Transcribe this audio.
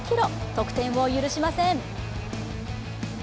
得点を許しません。